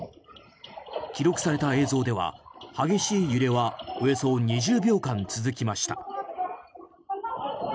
記録された映像では激しい揺れはおよそ２０秒間続きました。